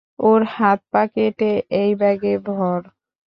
ওর হাত-পা কেটে এই ব্যাগে ভর।